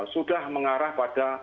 sudah mengarah pada